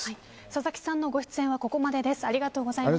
佐々木さんのご出演はここまでです。